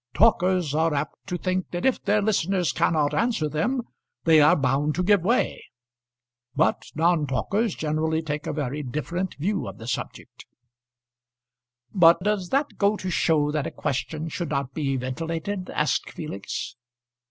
Talkers are apt to think that if their listener cannot answer them they are bound to give way; but non talkers generally take a very different view of the subject." "But does that go to show that a question should not be ventilated?" asked Felix.